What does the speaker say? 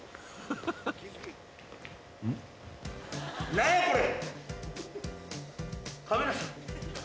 何やこれ？